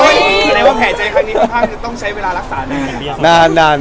แผ่ใจครั้งนี้ก็ต้องใช้เวลารักษานาน